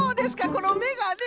このめがね。